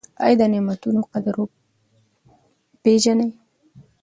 ایا د نعمتونو قدر پیژنئ؟